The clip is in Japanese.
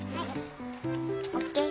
オッケー。